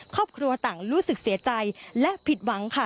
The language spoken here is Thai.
ครอบครัวต่างรู้สึกเสียใจและผิดหวังค่ะ